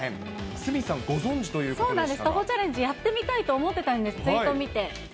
鷲見さん、ご存じということでしそうなんです、徒歩チャレンジ、やってみたいと思ってたんです、ツイートを見て。